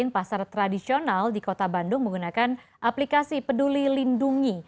pasar tradisional di kota bandung menggunakan aplikasi peduli lindungi